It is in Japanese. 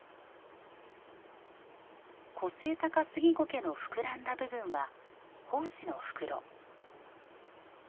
コセイタカスギゴケの膨らんだ部分は胞子の袋。